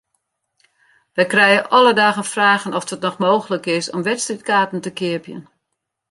Wy krije alle dagen fragen oft it noch mooglik is om wedstriidkaarten te keapjen.